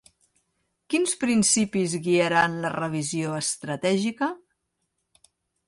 Quins principis guiaran la revisió estratègica?